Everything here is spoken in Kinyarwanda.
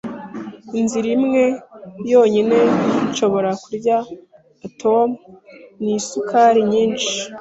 Inzira imwe yonyine nshobora kurya oatme ni isukari nyinshi.